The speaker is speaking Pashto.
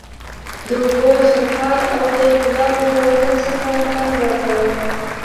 د اوبو شرهار او د ګلابو وږم سخت خوند راکاوه.